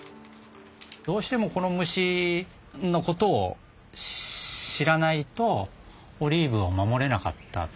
どうしてもこの虫の事を知らないとオリーブを守れなかった。